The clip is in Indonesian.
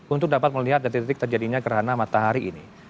untuk dapat melihat detik detik terjadinya gerhana matahari ini